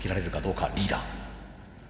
リーダー。